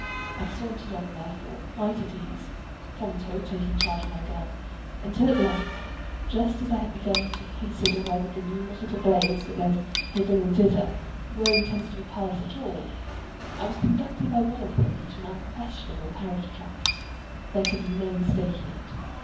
I sauntered on, therefore, quite at ease—Ponto taking charge of my gun—until at length, just as I had begun to consider whether the numerous little glades that led hither and thither, were intended to be paths at all, I was conducted by one of them into an unquestionable carriage track. There could be no mistaking it.